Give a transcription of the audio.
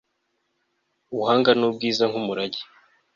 ubuhanga ni bwiza nk'umurage